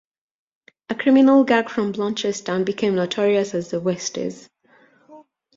A criminal gang from Blanchardstown became notorious as "The Westies".